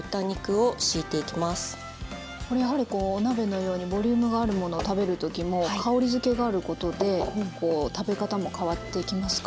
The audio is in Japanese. これやはりこうお鍋のようにボリュームがあるものを食べる時も香りづけがあることで食べ方も変わってきますか？